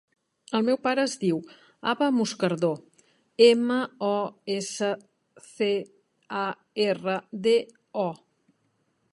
El meu pare es diu Abba Moscardo: ema, o, essa, ce, a, erra, de, o.